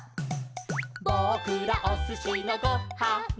「ぼくらおすしのご・は・ん」